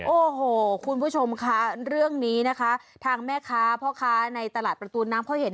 โอ้โหคุณผู้ชมค่ะเรื่องนี้นะคะทางแม่ค้าพ่อค้าในตลาดประตูน้ำเขาเห็น